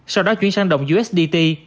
sau đó chuyển sang đồng usdt